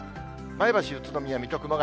前橋、宇都宮、水戸、熊谷。